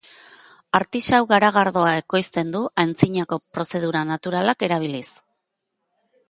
Artisau garagardo ekoizten du, antzinako prozedura naturalak erabiliz.